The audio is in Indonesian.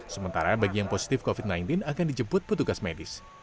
sementara bagi yang positif covid sembilan belas akan dijemput petugas medis